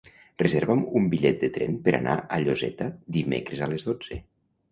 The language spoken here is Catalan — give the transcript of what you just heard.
Reserva'm un bitllet de tren per anar a Lloseta dimecres a les dotze.